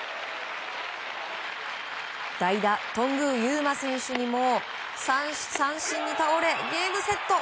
代打、頓宮裕真選手も三振に倒れゲームセット。